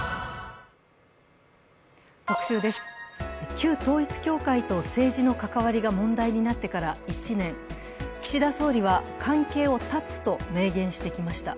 旧統一教会と政治の関わりが問題になってから岸田総理は関係を断つと明言してきました。